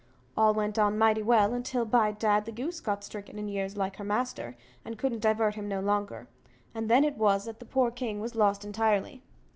All went on mighty well until, by dad, the goose got stricken in years like her master, and couldn't divert him no longer, and then it was that the poor king was lost entirely.